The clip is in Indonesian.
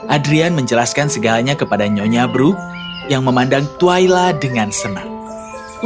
adrian menjelaskan segalanya kepada nyonya bru yang memandang twaila dengan senang